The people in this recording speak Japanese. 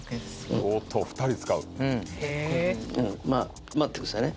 おっと２人使うまぁ待ってくださいね